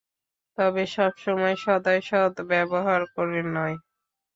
তবে সবসময় সদয় শব্দ ব্যবহার করে নয়।